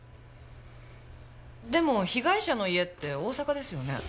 でも被害者の家って大阪ですよね？